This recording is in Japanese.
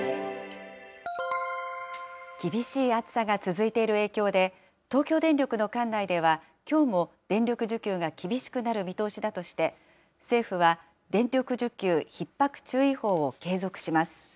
厳しい暑さが続いている影響で、東京電力の管内では、きょうも電力需給が厳しくなる見通しだとして、政府は電力需給ひっ迫注意報を継続します。